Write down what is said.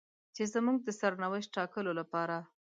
چې زموږ د سرنوشت ټاکلو لپاره.